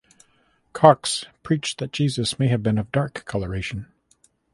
Cox preached that Jesus may have been of dark coloration.